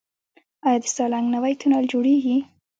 آیا د سالنګ نوی تونل جوړیږي؟